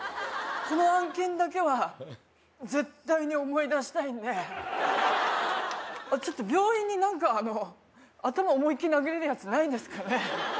この案件だけは絶対に思い出したいんであっちょっと病院に何かあの頭思いっ切り殴れるやつないんですかね？